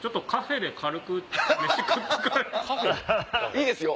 いいですよ